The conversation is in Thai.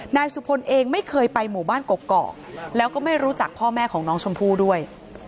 นายสุพลเองไม่เคยไปหมู่บ้านกกอกแล้วก็ไม่รู้จักพ่อแม่ของน้องชมพู่ด้วย